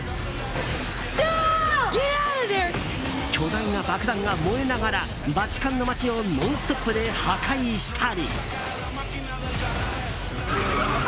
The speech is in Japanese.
巨大な爆弾が燃えながらバチカンの街をノンストップで破壊したり。